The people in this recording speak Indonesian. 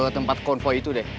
tempat konvoy itu deh